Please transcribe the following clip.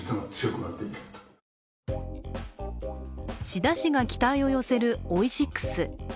志太氏が期待を寄せるオイシックス。